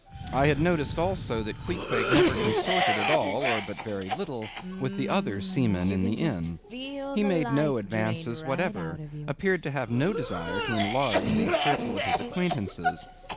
I had noticed also that Queequeg never consorted at all, or but very little, with the other seamen in the inn. He made no advances whatever; appeared to have no desire to enlarge the circle of his acquaintances.